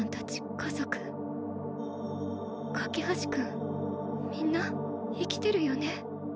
家族架橋君みんな生きてるよね？